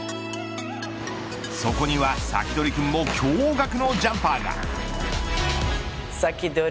そこには、サキドリくんも驚がくのジャンパーが。